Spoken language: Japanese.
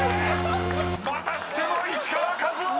［またしても石川和男！］